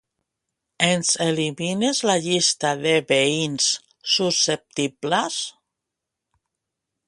Ens elimines la llista de veïns susceptibles?